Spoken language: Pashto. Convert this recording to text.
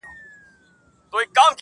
ځان به هېر کې ما به نه سې هېرولای -